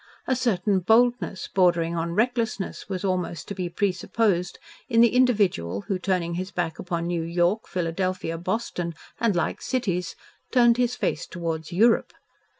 A certain boldness, bordering on recklessness, was almost to be presupposed in the individual who, turning his back upon New York, Philadelphia, Boston, and like cities, turned his face towards "Europe."